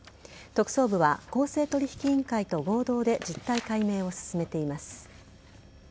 特捜部は公正取引委員会と合同で実態解明を進めています。